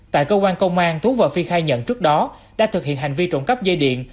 tại cơ quan công an tú và phi khai nhận trước đó đã thực hiện hành vi trộm cắp dây điện